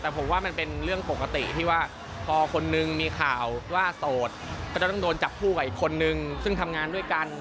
แต่ผมว่ามันเป็นเรื่องปกติที่ว่าพอคนนึงมีข่าวว่าโสดก็จะต้องโดนจับคู่กับอีกคนนึงซึ่งทำงานด้วยกัน